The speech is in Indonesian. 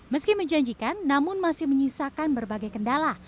meski menjanjikan namun masih menyisakan berbagai kendala